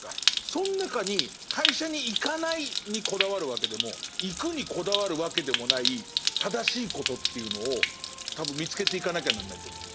そん中に会社に行かないにこだわるわけでも行くにこだわるわけでもない正しいことというのを多分見つけていかなきゃなんないと思う。